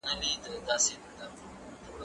زه به سبا د تکړښت لپاره ځم!.